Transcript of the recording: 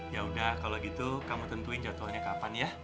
yaudah kalau gitu kamu tentuin jatuhannya kapan ya